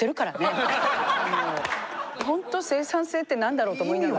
ほんと生産性って何だろうと思いながら。